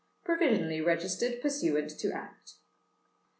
"(Provisionally Registered Pursuant to Act.)